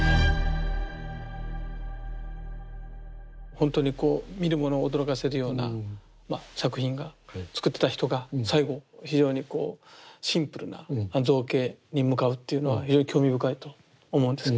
ほんとにこう見る者を驚かせるような作品が作ってた人が最後非常にこうシンプルな造形に向かうっていうのは非常に興味深いと思うんです。